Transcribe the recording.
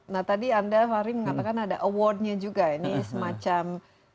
nah tadi anda fahri mengatakan ada awardnya juga ini semacam